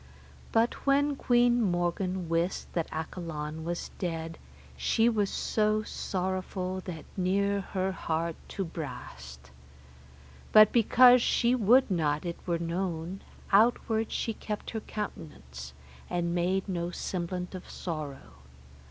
But when Queen Morgan wist that Accolon was dead, she was so sorrowful that near her heart to brast. But because she would not it were known, outward she kept her countenance, and made no semblant of sorrow.